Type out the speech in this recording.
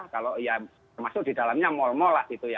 kalau ya termasuk di dalamnya mal mal lah gitu ya